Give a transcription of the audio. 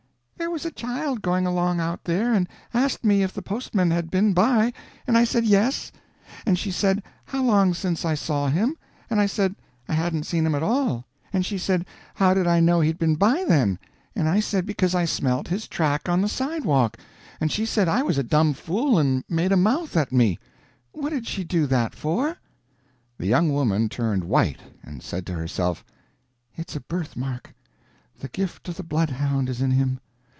"There was a child going along out there and asked me if the postman had been by and I said yes, and she said how long since I saw him and I said I hadn't seen him at all, and she said how did I know he'd been by, then, and I said because I smelt his track on the sidewalk, and she said I was a durn fool and made a mouth at me. What did she do that for?" The young woman turned white, and said to herself, "It's a birthmark! The gift of the bloodhound is in him."